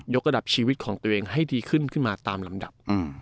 กระดับชีวิตของตัวเองให้ดีขึ้นขึ้นมาตามลำดับ